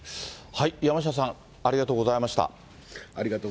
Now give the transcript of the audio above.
山下さん、ありがとうございました。